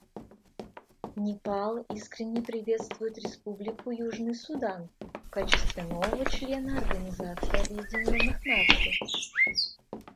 Непал искренне приветствует Республику Южный Судан в качестве нового члена Организации Объединенных Наций.